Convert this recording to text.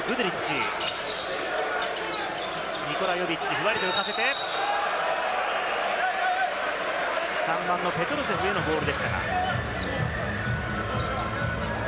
ふわりと浮かせて、３番のペトルセフへのボールでした。